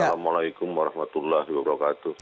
assalamualaikum warahmatullah wabarakatuh